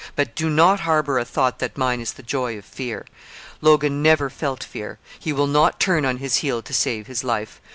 But do not harbour a thought that mine is the joy of fear. Logan never felt fear. He will not turn on his heel to save his life.